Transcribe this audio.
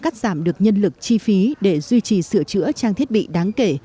cắt giảm được nhân lực chi phí để duy trì sửa chữa trang thiết bị đáng kể